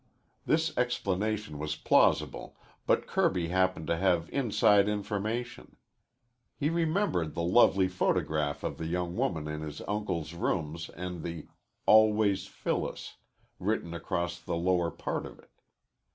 This explanation was plausible, but Kirby happened to have inside information. He remembered the lovely photograph of the young woman in his uncle's rooms and the "Always, Phyllis" written across the lower part of it.